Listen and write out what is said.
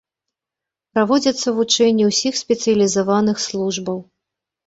Праводзяцца вучэнні ўсіх спецыялізаваных службаў.